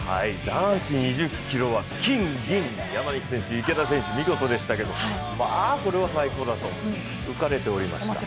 男子２００ｋｍは金・銀山口選手、池田選手見事でしたけれどもまあ、これは最高だと浮かれていました。